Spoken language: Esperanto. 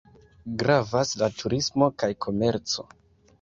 Gravas la turismo kaj komerco.